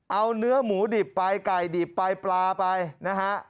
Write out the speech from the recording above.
เอาเนื้อหมูดิบไปไก่ดิบไปปลาไปนะฮะ